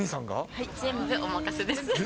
はい、全部お任せです。